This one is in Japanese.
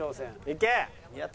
いけ！